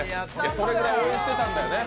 それくらい応援してたんだよね。